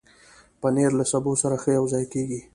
پنېر له سبو سره ښه یوځای کېږي.